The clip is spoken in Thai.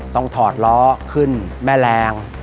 ถอดล้อขึ้นแม่แรง